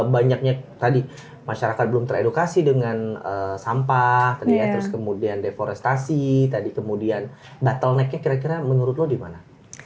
banyaknya tadi masyarakat belum teredukasi dengan sampah terus kemudian deforestasi tadi kemudian bottlenecknya kira kira menurut lo dimana